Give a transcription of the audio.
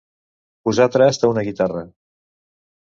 Posar trast a una guitarra.